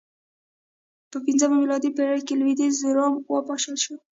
په پنځمه میلادي پېړۍ کې لوېدیځ روم وپاشل شو